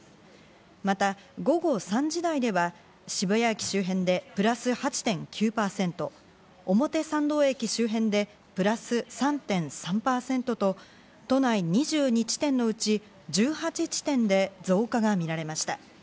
また午後３時台では渋谷駅周辺でプラス８．９％、表参道駅周辺でプラス３．３％と都内２２地点のうち１８点で増加が見られました。